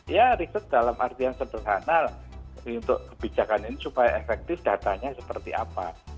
ya riset dalam artian sederhana untuk kebijakan ini supaya efektif datanya seperti apa